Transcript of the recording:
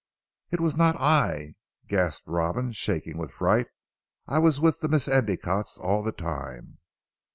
"It was not I," gasped Robin shaking with fright, "I was with the Miss Endicottes all the time."